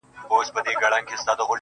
• زه په دې افتادګۍ کي لوی ګَړنګ یم_